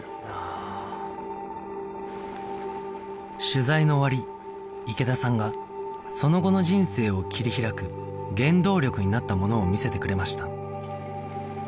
取材の終わり池田さんがその後の人生を切り開く原動力になったものを見せてくれました